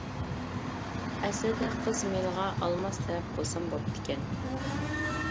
ئەسلىدە قىز مىلىغا ئالماس تەلەپ قىلسام بوپتىكەن.